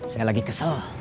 saya lagi kesel